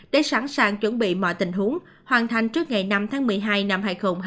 để sẵn sàng chuẩn bị mọi tình huống hoàn thành trước ngày năm tháng một mươi hai năm hai nghìn hai mươi